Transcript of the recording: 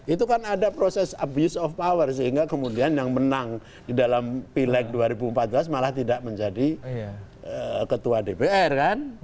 itu kan ada proses abuse of power sehingga kemudian yang menang di dalam pileg dua ribu empat belas malah tidak menjadi ketua dpr kan